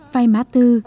vai má tư